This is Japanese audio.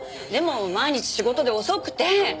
でも毎日仕事で遅くて。